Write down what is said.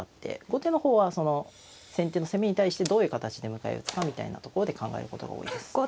後手の方はその先手の攻めに対してどういう形で迎え撃つかみたいなところで考えることが多いです。